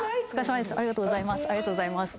ありがとうございます。